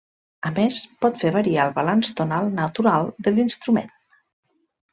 A més, pot fer variar el balanç tonal natural de l’instrument.